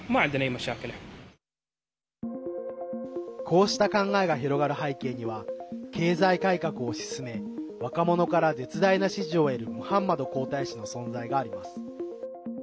こうした考えが広がる背景には経済改革を推し進め若者から絶大な支持を得るムハンマド皇太子の存在があります。